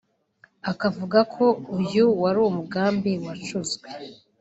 akavuga ko uyu wari umugambi wacuzwe